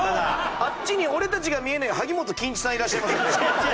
あっちに俺たちが見えない萩本欽一さんいらっしゃいますよね？